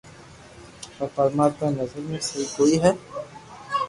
پر پرماتما ري نظر ۾ سھي ڪوئي ھي